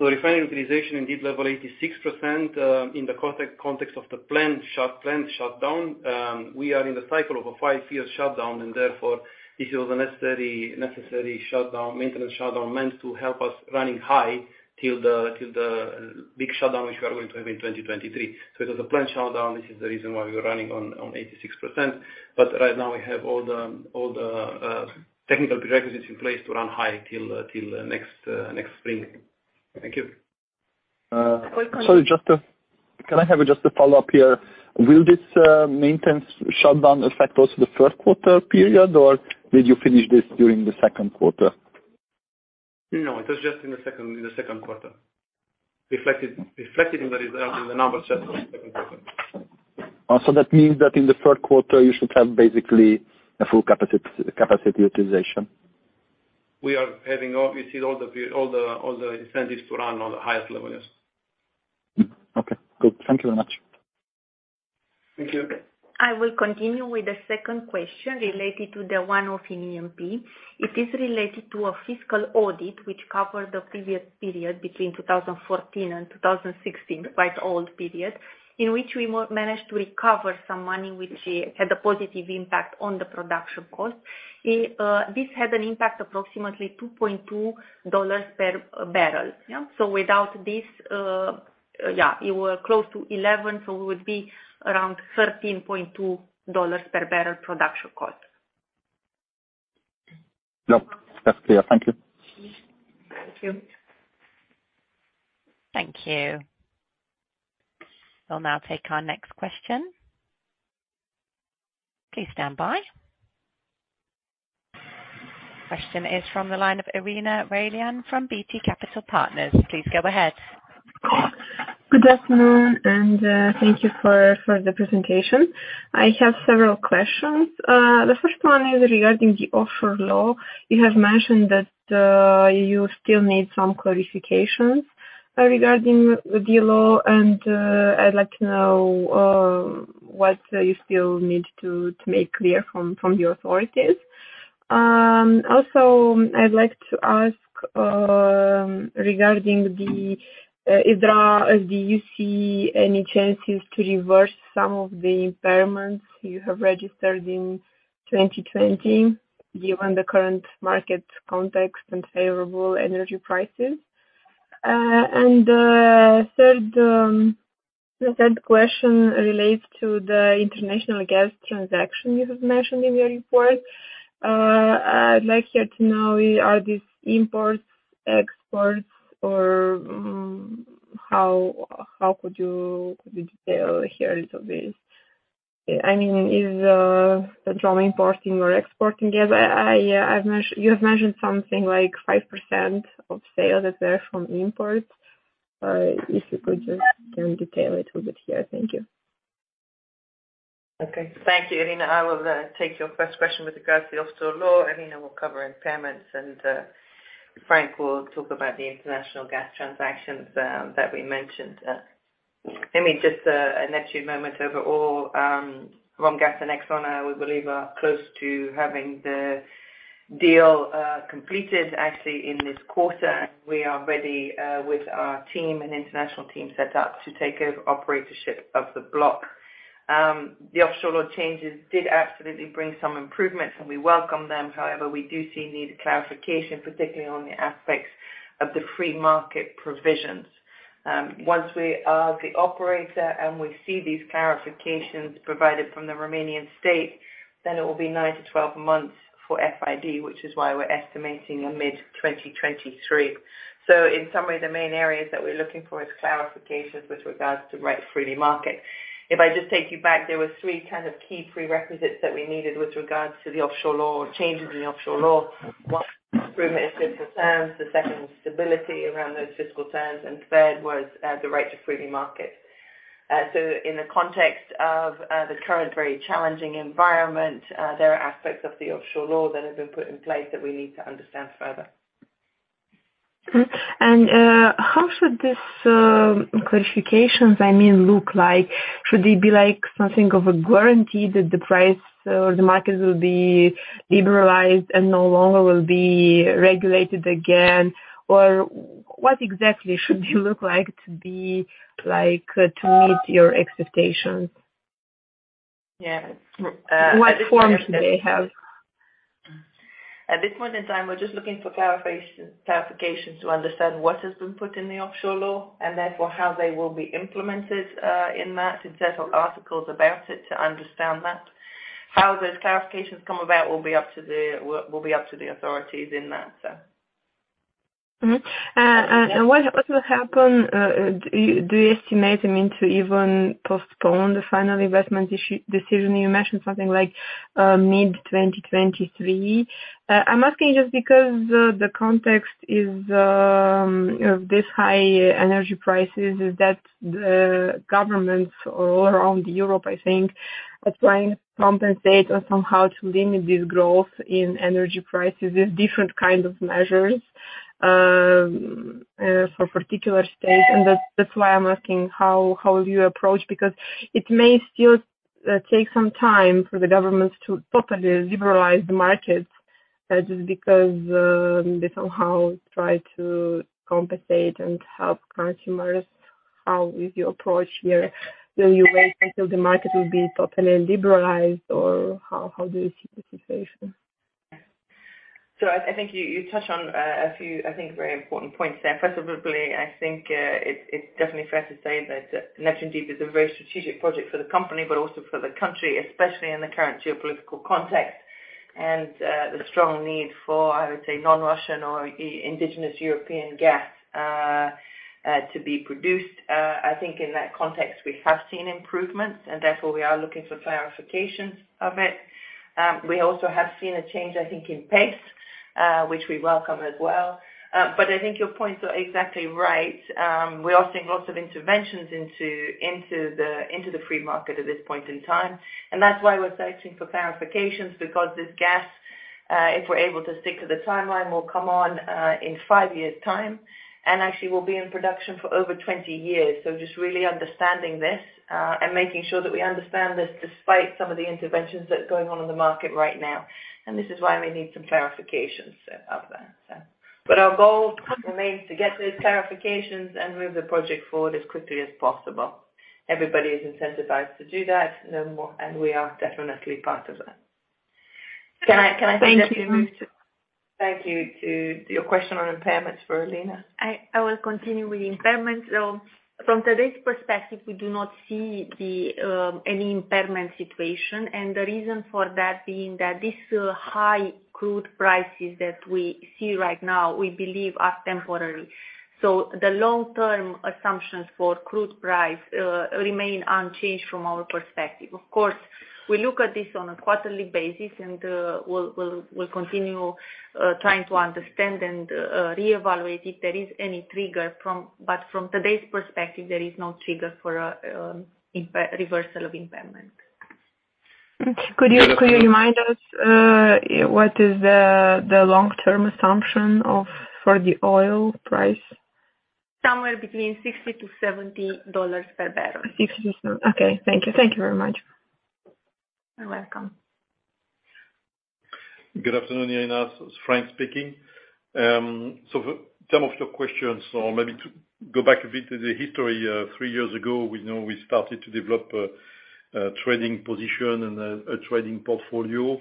Refinery utilization indeed level 86%, in the context of the planned shutdown. We are in the cycle of a five-year shutdown and therefore this was a necessary maintenance shutdown meant to help us running high till the big shutdown which we are going to have in 2023. It was a planned shutdown. This is the reason why we were running on 86%. Right now we have all the technical prerequisites in place to run high till next spring. Thank you. Sorry, just. Can I have just a follow-up here? Will this maintenance shutdown affect also the third quarter period, or did you finish this during the second quarter? No, it was just in the second quarter. Reflected in the result, in the numbers set for the second quarter. That means that in the third quarter you should have basically a full capacity utilization. We see all the incentives to run on the highest level, yes. Okay, good. Thank you very much. Thank you. I will continue with the second question related to the one-off in E&P. It is related to a fiscal audit which covered the previous period between 2014 and 2016, quite old period, in which we managed to recover some money which had a positive impact on the production cost. This had an impact approximately $2.2 per barrel. Yeah? So without this, it was close to $11, so it would be around $13.2 per barrel production cost. Yep, that's clear. Thank you. Thank you. Thank you. We'll now take our next question. Please stand by. The question is from the line of Irina Railean from BT Capital Partners. Please go ahead. Good afternoon and thank you for the presentation. I have several questions. The first one is regarding the Offshore Law. You have mentioned that you still need some clarifications regarding the Offshore Law, and I'd like to know what you still need to make clear from the authorities. Also, I'd like to ask regarding, is there do you see any chances to reverse some of the impairments you have registered in 2020 given the current market context and favorable energy prices? The third question relates to the international gas transaction you have mentioned in your report. I'd like here to know are these imports, exports or how could you detail here a little bit? I mean, is Petrom importing or exporting gas? Yeah, you have mentioned something like 5% of sales are there from imports. If you could just, can you detail a little bit here? Thank you. Okay. Thank you, Irina. I will take your first question with regards to the Offshore Law. Irina will cover impairments, and Franck will talk about the international gas transactions that we mentioned. Let me just take a moment on Neptune overall. Romgaz and ExxonMobil, we believe are close to having the deal completed actually in this quarter. We are ready with our team and international team set up to take over operatorship of the block. The Offshore Law changes did absolutely bring some improvements, and we welcome them. However, we do see the need for clarification, particularly on the aspects of the free market provisions. Once we are the operator and we see these clarifications provided by the Romanian state, then it will be 9-12 months for FID, which is why we're estimating mid-2023. In some way, the main areas that we're looking for is clarifications with regards to right to freely market. If I just take you back, there were three kind of key prerequisites that we needed with regards to the Offshore Law or changes in the Offshore Law. One, improvement of fiscal terms, the second was stability around those fiscal terms, and third was the right to freely market. In the context of the current very challenging environment, there are aspects of the Offshore Law that have been put in place that we need to understand further. Mm-hmm. How should this clarification, I mean, look like? Should they be like something of a guarantee that the price or the market will be liberalized and no longer will be regulated again? Or what exactly should it look like to meet your expectations? Yeah. At this point in time. What forms may it have? At this point in time, we're just looking for clarifications to understand what has been put in the Offshore Law and therefore how they will be implemented in that. We've had whole articles about it to understand that. How those clarifications come about will be up to the authorities in that, so. What will happen, do you estimate, I mean, to even postpone the final investment decision? You mentioned something like mid-2023. I'm asking just because the context is of this high energy prices is that the governments all around Europe, I think, are trying to compensate or somehow to limit this growth in energy prices with different kind of measures for particular states. That's why I'm asking how you approach, because it may still take some time for the governments to properly liberalize the markets, just because they somehow try to compensate and help consumers. How is your approach here? Will you wait until the market will be properly liberalized, or how do you see the situation? I think you touched on a few very important points there. First of all, I think it's definitely fair to say that Neptune Deep is a very strategic project for the company, but also for the country, especially in the current geopolitical context. The strong need for, I would say, non-Russian or indigenous European gas to be produced. I think in that context we have seen improvements and therefore we are looking for clarifications of it. We also have seen a change, I think, in pace, which we welcome as well. But I think your points are exactly right. We are seeing lots of interventions into the free market at this point in time. That's why we're searching for clarifications, because this gas, if we're able to stick to the timeline, will come on, in five years' time and actually will be in production for over 20 years. Just really understanding this, and making sure that we understand this despite some of the interventions that are going on in the market right now. This is why we need some clarifications of that. Our goal remains to get those clarifications and move the project forward as quickly as possible. Everybody is incentivized to do that, and we are definitely part of that. Can I- Thank you. Thank you. To your question on impairments for Irina. I will continue with the impairments. From today's perspective, we do not see any impairment situation. The reason for that being that this high crude prices that we see right now, we believe are temporary. The long-term assumptions for crude price remain unchanged from our perspective. Of course, we look at this on a quarterly basis and we'll continue trying to understand and reevaluate if there is any trigger. From today's perspective, there is no trigger for reversal of impairment. Could you remind us what is the long-term assumption for the oil price? Somewhere between $60-$70 per barrel. 60 to 7. Okay, thank you. Thank you very much. You're welcome. Good afternoon, Irina. It's Franck speaking. For some of your questions, or maybe to go back a bit to the history, three years ago, we know we started to develop a trading position and a trading portfolio,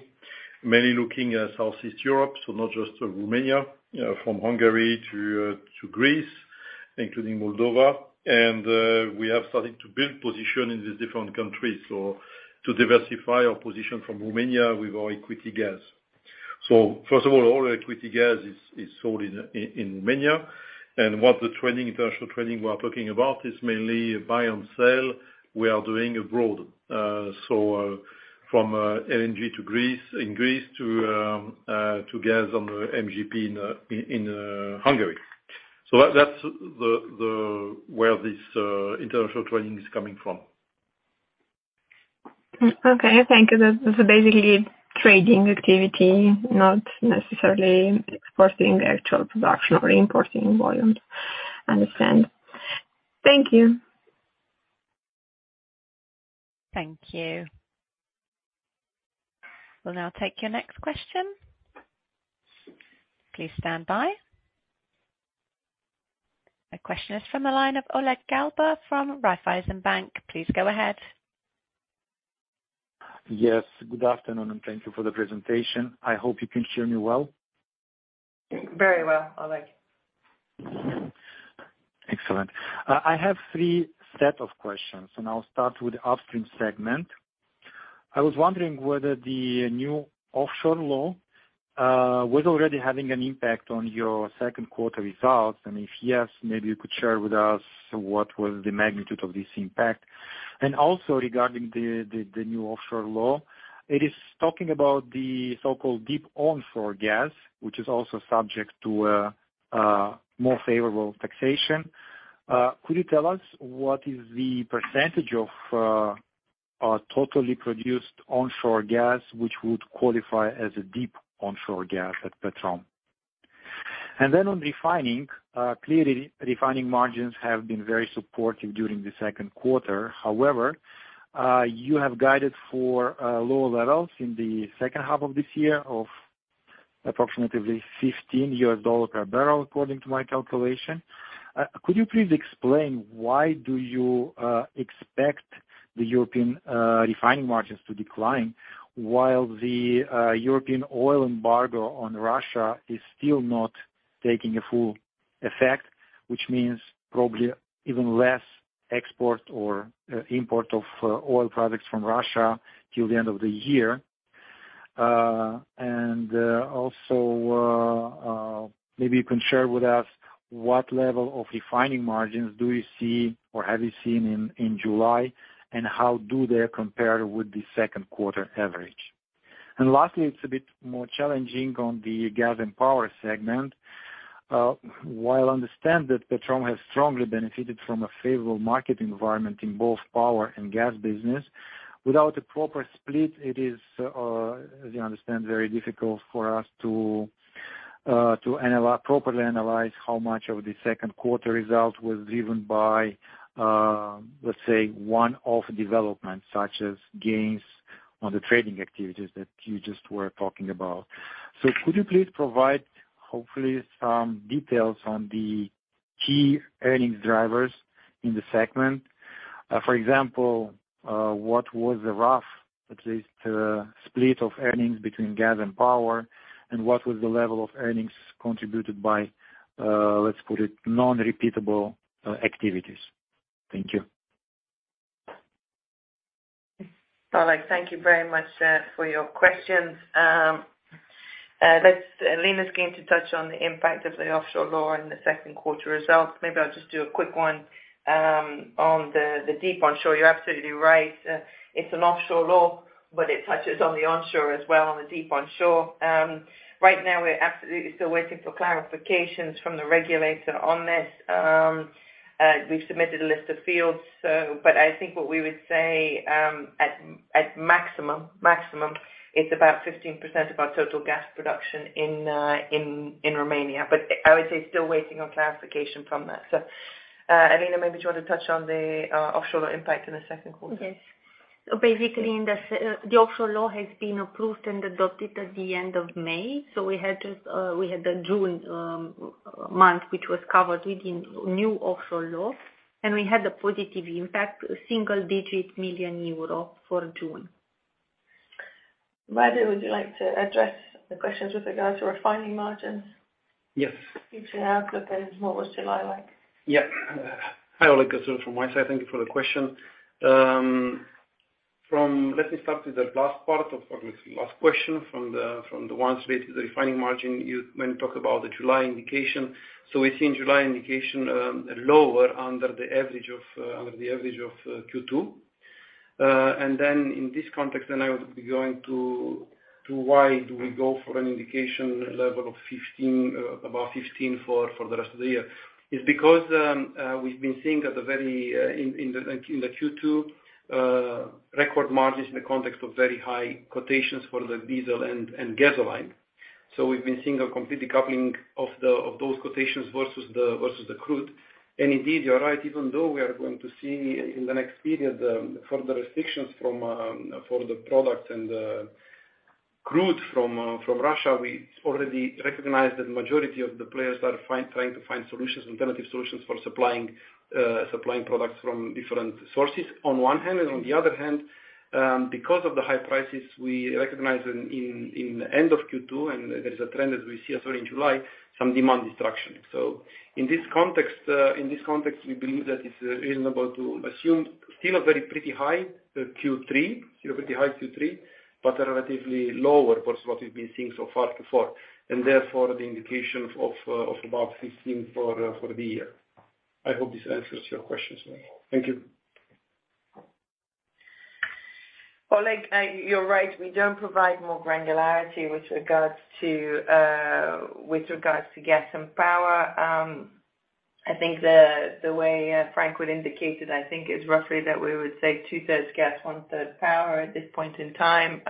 mainly looking at Southeast Europe, so not just Romania, you know, from Hungary to Greece, including Moldova. We are starting to build position in these different countries to diversify our position from Romania with our equity gas. First of all equity gas is sold in Romania. What the international trading we are talking about is mainly buy and sell we are doing abroad. From LNG to Greece, from Greece to gas on MGP in Hungary. That's where this international trading is coming from. Okay, thank you. That's basically trading activity, not necessarily exporting actual production or importing volume. Understand. Thank you. Thank you. We'll now take your next question. Please stand by. The question is from the line of Oleg Galbur from Raiffeisen Bank. Please go ahead. Yes. Good afternoon, and thank you for the presentation. I hope you can hear me well. Very well, Oleg. Excellent. I have three set of questions, and I'll start with the upstream segment. I was wondering whether the new Offshore Law was already having an impact on your second quarter results, and if yes, maybe you could share with us what was the magnitude of this impact. Also regarding the new Offshore Law, it is talking about the so-called deep onshore gas, which is also subject to a more favorable taxation. Could you tell us what is the percentage of a totally produced onshore gas which would qualify as a deep onshore gas at Petrom? Then on refining, clearly refining margins have been very supportive during the second quarter. However, you have guided for lower levels in the second half of this year of approximately $15 per barrel, according to my calculation. Could you please explain why do you expect the European refining margins to decline while the European oil embargo on Russia is still not taking a full effect, which means probably even less export or import of oil products from Russia till the end of the year? Maybe you can share with us what level of refining margins do you see or have you seen in July, and how do they compare with the second quarter average? Lastly, it's a bit more challenging on the gas and power segment. While I understand that OMV Petrom has strongly benefited from a favorable market environment in both power and gas business, without a proper split, it is, as you understand, very difficult for us to properly analyze how much of the second quarter results was driven by, let's say, one-off developments, such as gains on the trading activities that you just were talking about. Could you please provide, hopefully, some details on the key earnings drivers in the segment? For example, what was the rough, at least, split of earnings between gas and power, and what was the level of earnings contributed by, let's put it, non-repeatable, activities? Thank you. Oleg, thank you very much for your questions. Alina is going to touch on the impact of the Offshore Law in the second quarter results. Maybe I'll just do a quick one on the deep onshore. You're absolutely right. It's an Offshore Law, but it touches on the onshore as well on the deep onshore. Right now we're absolutely still waiting for clarifications from the regulator on this. We've submitted a list of fields, but I think what we would say at maximum, it's about 15% of our total gas production in Romania. But I would say still waiting on clarification from that. Alina, maybe do you want to touch on the Offshore Law impact in the second quarter? Yes. Basically, the Offshore Law has been approved and adopted at the end of May. We had just the June month, which was covered within new Offshore Law, and we had a positive impact, single-digit million EUR for June. Radu, would you like to address the questions with regards to refining margins? Yes. If you have, what was July like? Yeah. Hi, Oleg. It's Radu from my side. Thank you for the question. Let me start with the last part of, or maybe last question from the one related to the refining margin. When you talk about the July indication, so we see in July indication lower under the average of Q2. In this context, I would be going to why do we go for an indication level of 15, above 15 for the rest of the year. It's because we've been seeing in Q2 record margins in the context of very high quotations for the diesel and gasoline. We've been seeing a complete decoupling of those quotations versus the crude. Indeed, you're right, even though we are going to see in the next period further restrictions from for the product and the crude from from Russia, we already recognize that majority of the players are trying to find solutions, alternative solutions for supplying supplying products from different sources, on one hand. On the other hand, because of the high prices, we recognize in the end of Q2, and there is a trend as we see also in July, some demand destruction. In this context, we believe that it's reasonable to assume still a very pretty high Q3, but a relatively lower versus what we've been seeing so far Q4, and therefore the indications of above 15% for the year. I hope this answers your questions. Thank you. Oleg, you're right. We don't provide more granularity with regards to gas and power. I think the way Frank would indicate it, I think, is roughly that we would say two-thirds gas, one-third power at this point in time.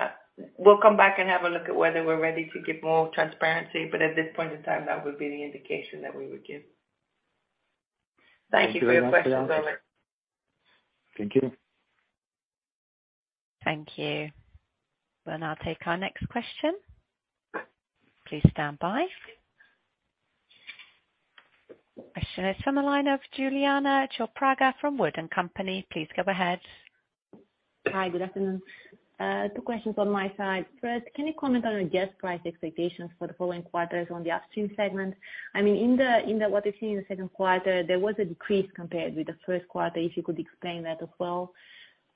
We'll come back and have a look at whether we're ready to give more transparency, but at this point in time, that would be the indication that we would give. Thank you for your question, Oleg. Thank you. Thank you. We'll now take our next question. Please stand by. Question is from the line ofIuliana Ciopraga from Wood & Company. Please go ahead. Hi. Good afternoon. Two questions on my side. First, can you comment on the gas price expectations for the following quarters on the upstream segment? I mean, what we've seen in the second quarter, there was a decrease compared with the first quarter, if you could explain that as well.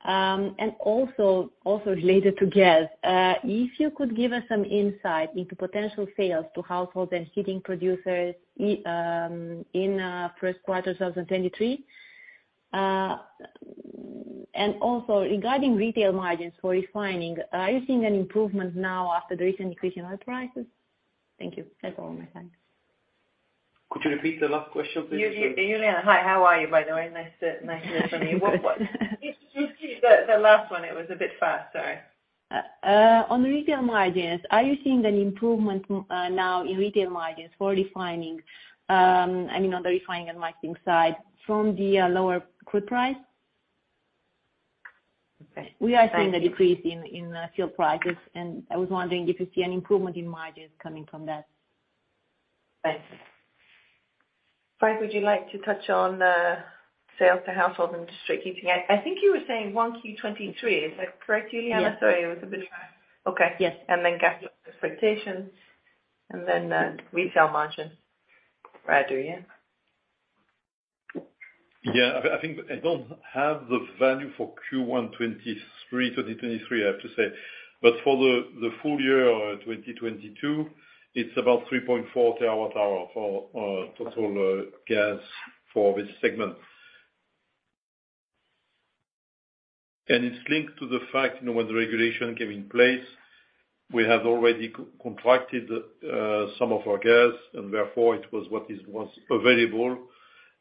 Also related to gas, if you could give us some insight into potential sales to households and heating producers in first quarter of 2023. Also regarding retail margins for refining, are you seeing an improvement now after the recent decrease in oil prices? Thank you. That's all on my side. Could you repeat the last question please? Luliana, hi. How are you, by the way? Nice to hear from you. Excuse me. The last one, it was a bit fast, sorry. On retail margins, are you seeing an improvement now in retail margins for refining? I mean, on the refining and marketing side from the lower crude price? Okay. We are seeing. Thank you. a decrease in fuel prices, and I was wondering if you see an improvement in margins coming from that? Thanks. Franck, would you like to touch on sales to household and district heating? I think you were saying 1Q23. Is that correct, Luliana? Yes. Sorry, it was a bit fast. Okay. Yes. Gas expectations, and then, retail margin. Radu, yeah. I think I don't have the value for Q1 2023, I have to say, but for the full year 2022, it's about 3.4 TWh for total gas for this segment. It's linked to the fact, you know, when the regulation came in place, we had already contracted some of our gas, and therefore it was what was available.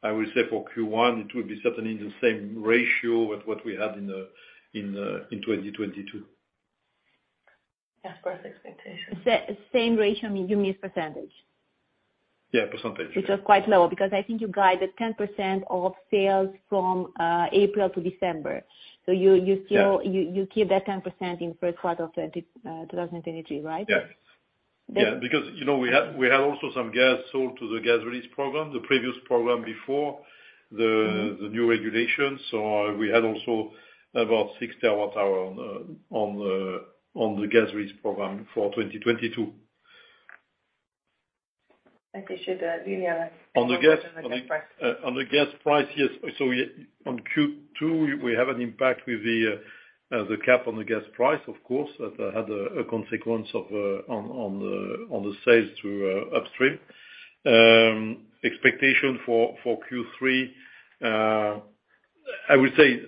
I will say for Q1, it will be certainly the same ratio with what we had in 2022. As per expectation. Same ratio means, you mean percentage? Yeah, percentage. Which was quite low because I think you guided 10% of sales from April to December. You still- Yeah. You keep that 10% in first quarter of 2023, right? Yes. That's- Yeah, because, you know, we had also some gas sold to the Gas Release Program, the previous program before the Mm-hmm... the new regulations. We had also about 6 terawatt-hours on the Gas Release Program for 2022. I think you should, Luliana- On the gas- Take over on the gas price. On the gas price, yes. On Q2 we have an impact with the cap on the gas price of course, that had a consequence on the sales through upstream. Expectation for Q3, I would say,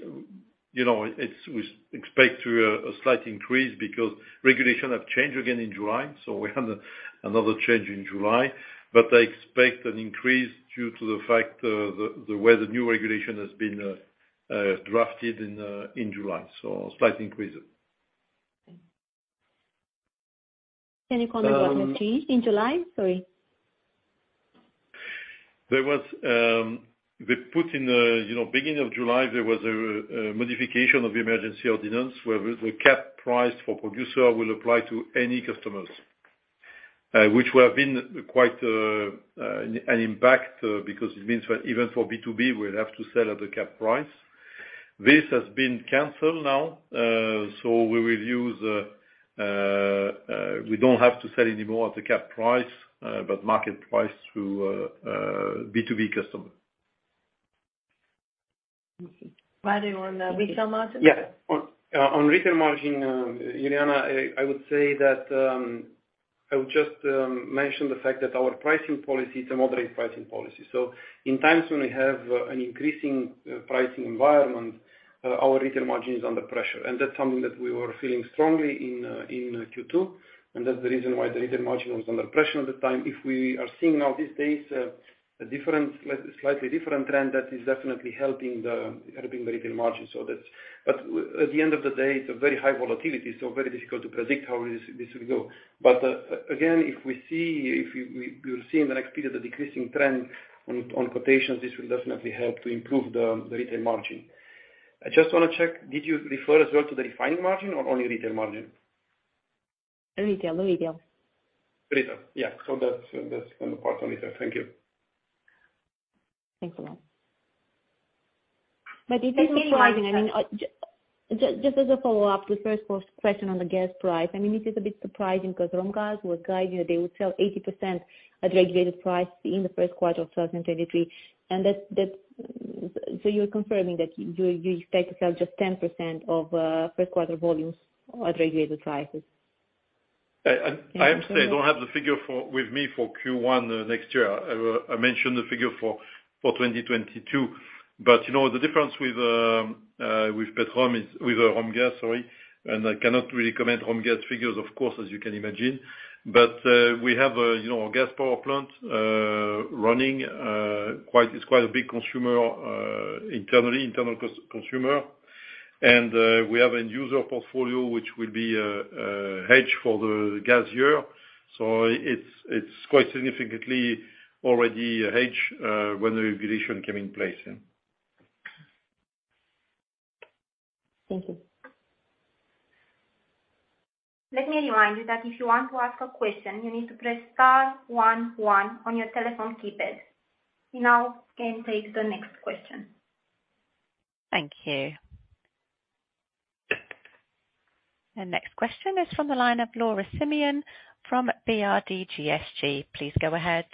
you know, we expect a slight increase because regulation have changed again in July, so we have another change in July. I expect an increase due to the fact the way the new regulation has been drafted in July, so slight increase. Thanks. Can you comment what- Um- Happened in July? Sorry. They put in, you know, beginning of July, there was a modification of the emergency ordinance where the cap price for producer will apply to any customers, which would have been quite an impact, because it means even for B2B, we'll have to sell at the cap price. This has been canceled now, so we don't have to sell anymore at the cap price, but market price through B2B customer. I see. Radu, on the retail margin? On retail margin, Luliana, I would say that I would just mention the fact that our pricing policy is a moderate pricing policy. In times when we have an increasing pricing environment, our retail margin is under pressure, and that's something that we were feeling strongly in Q2, and that's the reason why the retail margin was under pressure at the time. If we are seeing now these days a different, slightly different trend, that is definitely helping the retail margin. At the end of the day, it's a very high volatility, so very difficult to predict how this will go. Again, if we see, we'll see in the next period a decreasing trend on quotations, this will definitely help to improve the retail margin. I just wanna check, did you refer as well to the refining margin or only retail margin? Retail. Retail. Yeah. That's gonna part retail. Thank you. Thanks a lot. It is surprising, I mean, just as a follow-up to the first question on the gas price, I mean, this is a bit surprising because Romgaz was guiding that they would sell 80% at regulated price in the first quarter of 2023, and that's. You're confirming that you expect to sell just 10% of first quarter volumes at regulated prices? I'm saying I don't have the figure with me for Q1 next year. I mentioned the figure for 2022. You know, the difference with Petrom is with the own gas, sorry, and I cannot really comment own gas figures of course, as you can imagine. We have a gas power plant running. It's quite a big internal consumer. We have end user portfolio, which will be hedged for the gas year. It's quite significantly already hedged when the regulation came in place, yeah. Thank you. Let me remind you that if you want to ask a question you need to press star one one on your telephone keypad. We now can take the next question. Thank you. The next question is from the line of Laura Simion from BRD Groupe Société Générale. Please go ahead.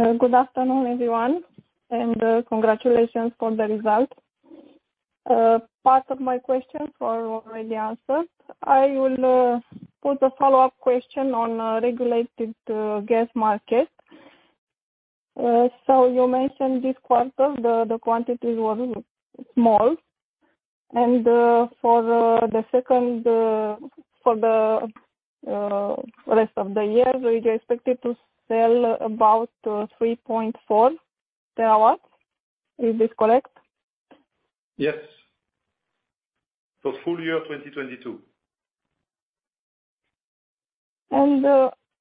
Good afternoon, everyone, and congratulations for the result. Part of my question is already answered. I will put a follow-up question on regulated gas market. You mentioned this quarter the quantities were small. For the rest of the year, you expected to sell about 3.4 TWh. Is this correct? Yes. For full year 2022.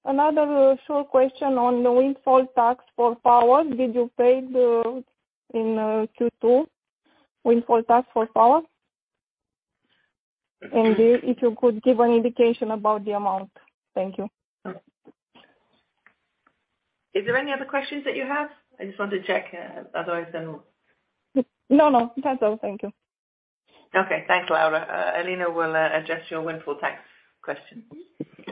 another short question on the windfall tax for power. Did you pay the windfall tax for power in Q2? If you could give an indication about the amount. Thank you. Is there any other questions that you have? I just want to check, otherwise then we'll. No, no. That's all. Thank you. Okay. Thanks, Laura. Alina will address your windfall tax question.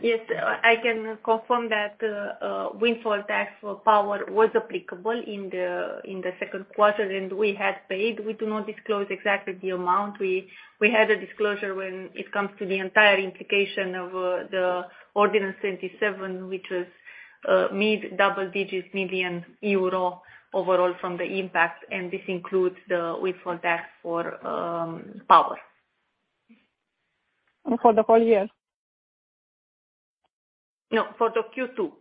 Yes. I can confirm that windfall tax for power was applicable in the second quarter, and we had paid. We do not disclose exactly the amount. We had a disclosure when it comes to the entire implementation of the Ordinance 27, which was mid double-digit million EUR overall from the impact. This includes the windfall tax for power. For the whole year? No, for the Q2.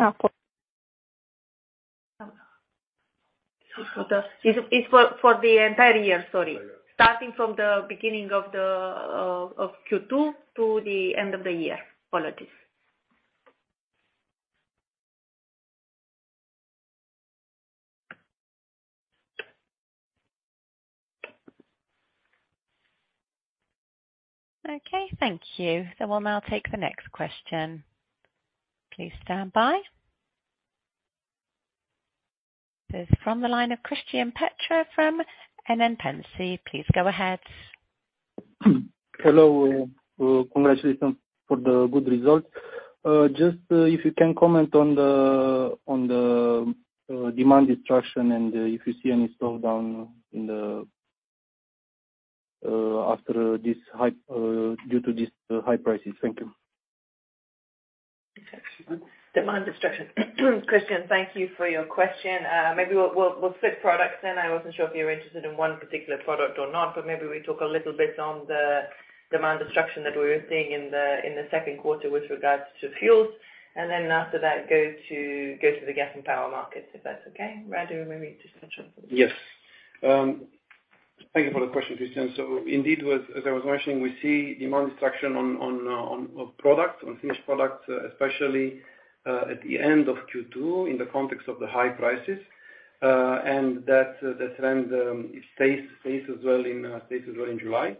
Okay. It's for the entire year, sorry. Starting from the beginning of Q2 to the end of the year. Apologies. Okay, thank you. We'll now take the next question. Please stand by. This from the line of Cristian Petru from NN Pensii. Please go ahead. Hello. Congratulations for the good results. Just, if you can comment on the demand destruction and if you see any slowdown in the after this high due to this high prices. Thank you. Demand destruction. Cristian, thank you for your question. Maybe we'll split products then. I wasn't sure if you were interested in one particular product or not, but maybe we talk a little bit on the demand destruction that we were seeing in the second quarter with regards to fuels. After that go to the gas and power markets, if that's okay. Radu, maybe you just touch on this. Yes. Thank you for the question, Cristian. Indeed, as I was mentioning, we see demand destruction on products, on finished products, especially, at the end of Q2, in the context of the high prices. That trend, it stays as well in July.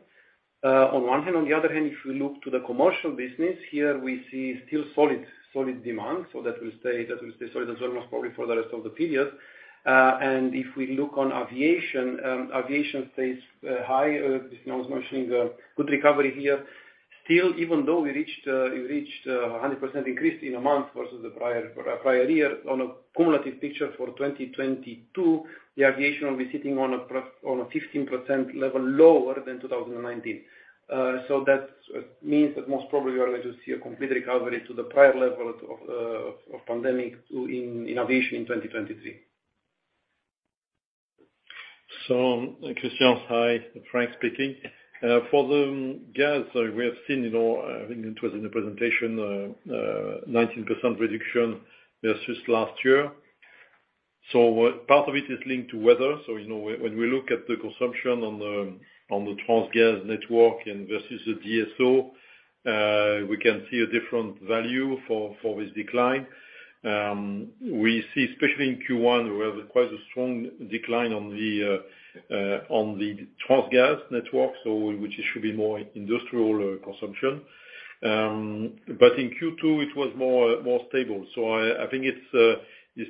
On one hand, on the other hand, if you look to the commercial business here, we see still solid demand. That will stay solid as well, most probably for the rest of the period. If we look on aviation stays high. As Cristian was mentioning, good recovery here. Still, even though we reached a 100% increase in a month versus the prior year on a cumulative picture for 2022, the aviation will be sitting on a 15% level lower than 2019. That means that most probably we are going to see a complete recovery to the prior level of pre-pandemic in aviation in 2023. Cristian, hi, Franck speaking. For the gas, we have seen, you know, I think it was in the presentation, 19% reduction versus last year. What part of it is linked to weather? You know, when we look at the consumption on the Transgaz network and versus the DSO, we can see a different value for this decline. We see, especially in Q1, we have quite a strong decline on the Transgaz network, which should be more industrial consumption. But in Q2 it was more stable. I think it's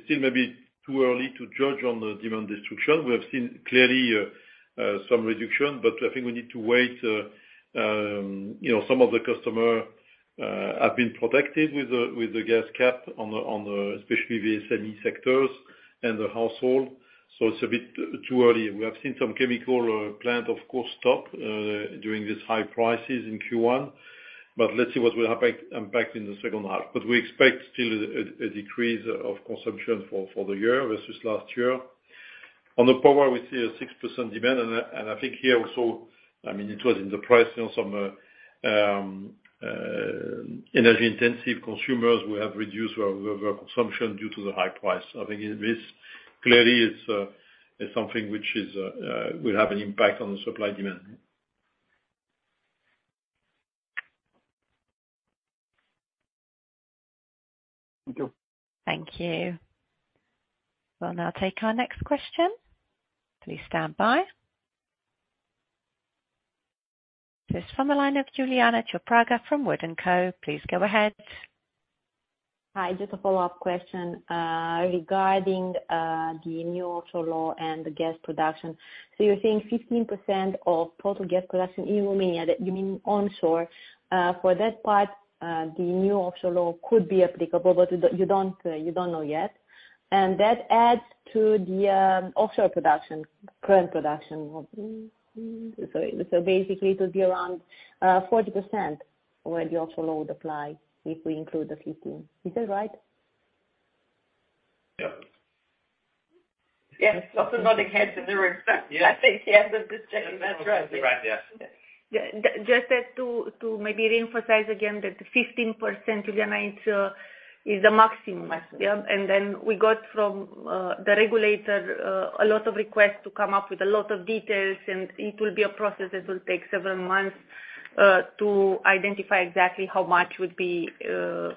still maybe too early to judge on the demand destruction. We have seen clearly some reduction, but I think we need to wait. You know, some of the customers have been protected with the gas cap on the, especially the SME sectors and the households. So it's a bit too early. We have seen some chemical plant of course stop during these high prices in Q1, but let's see what will have impact in the second half. We expect still a decrease of consumption for the year versus last year. On the power, we see a 6% demand. I think here also, I mean it was in the price, you know, some energy intensive consumers will have reduced their consumption due to the high price. I think this clearly is something which will have an impact on the supply demand. Thank you. Thank you. We'll now take our next question. Please stand by. This from the line of Iuliana Ciopraga from WOOD & Company. Please go ahead. Hi. Just a follow-up question regarding the new Offshore Law and the gas production. You're saying 15% of total gas production in Romania, that you mean onshore. For that part, the new Offshore Law could be applicable, but you don't know yet. That adds to the offshore production, current production of. Basically it will be around 40% where the Offshore Law would apply if we include the 15. Is that right? Yeah. Yes. Also nodding heads in the room. I think, yes, that is generally correct. That's right, yes. Yeah. Just to maybe reemphasize again that the 15%, Luliana, it is the maximum. Yeah. Then we got from the regulator a lot of requests to come up with a lot of details, and it will be a process that will take several months to identify exactly how much would be the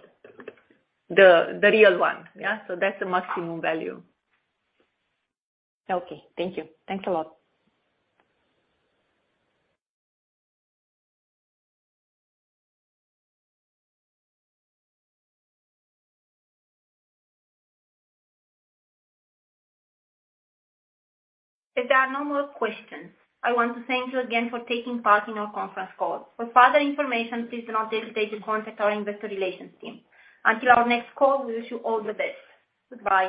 real one. Yeah. That's the maximum value. Okay. Thank you. Thanks a lot. If there are no more questions, I want to thank you again for taking part in our conference call. For further information, please do not hesitate to contact our investor relations team. Until our next call, wish you all the best. Goodbye.